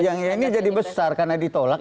yang ini jadi besar karena ditolak